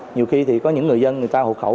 nhiều khi thì có những người dân người ta hộ khẩu